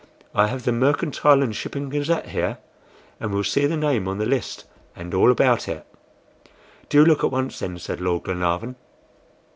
"I have the Mercantile and Shipping Gazette here, and we'll see the name on the list, and all about it." "Do look at once, then," said Lord Glenarvan.